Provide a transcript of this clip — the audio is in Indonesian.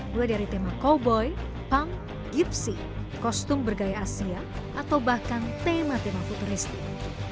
mulai dari tema cowboy punk gipsy kostum bergaya asia atau bahkan tema tema futuristik